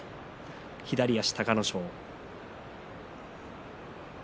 左足、隆の勝。